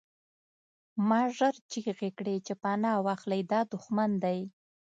ما ژر چیغې کړې چې پناه واخلئ دا دښمن دی